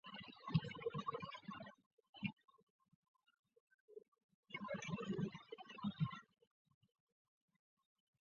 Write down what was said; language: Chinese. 六书是由汉代的学者把汉字的构成和使用方式归纳成的六种类型。